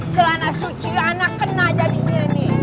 celana suci anak kena jadinya ini